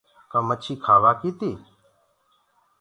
ڪآ مڇي کآوآ ڪي تي؟